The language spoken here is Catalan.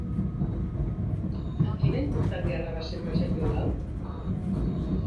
En quina important guerra va ser present Iolau?